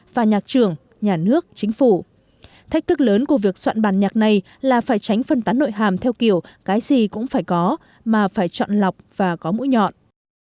và nhạc trưởng nhà nước chính phủ thách thức lớn của việc soạn bản nhạc này là phải tránh phân tán nội hàm theo kiểu cái gì cũng phải có mà phải chọn lọc và có mũi nhọn